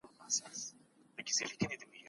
استاد نن د ټولنیزو علومو په اړه وویل.